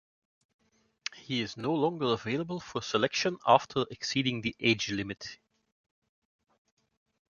He is no longer available for selection after exceeding the age limit.